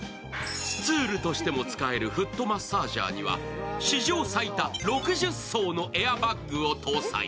スツールとしても使えるフットマッサージャーには史上最多６０層のエアバッグを搭載。